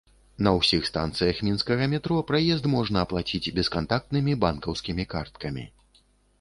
На ўсіх станцыях мінскага метро праезд можна аплаціць бескантактнымі банкаўскімі карткамі.